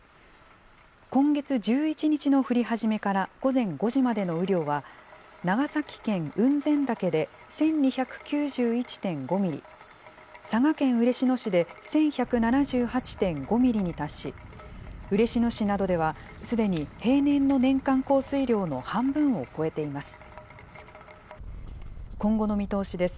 今月１１日の降り始めから午前５時までの雨量は、長崎県雲仙岳で１２９１．５ミリ、佐賀県嬉野市で１１７８．５ミリに達し、嬉野市などではすでに平年の年間降水量の半分を超えています。